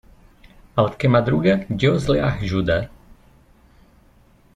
Al que madruga Dios le ayuda.